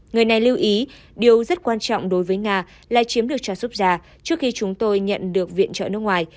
người này lưu ý điều rất quan trọng đối với nga là chiếm được chasovia trước khi chúng tôi nhận được viện trợ nước ngoài